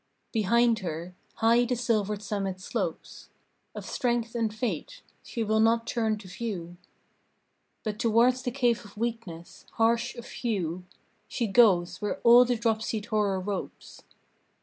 Behind her, high the silvered summit slopes Of strength and faith, she will not turn to view; But towards the cave of weakness, harsh of hue, She goes, where all the dropsied horror ropes.